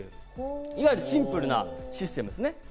いわゆるシンプルなシステムです。